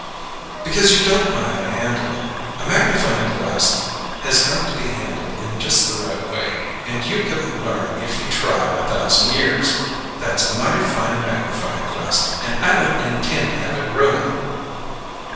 "Because you don't know how to handle it. A magnifying glass has got to be handled in just the right way, and you couldn't learn if you tried a thousand years. That's a mighty fine magnifying glass, and I don't intend to have it ruined."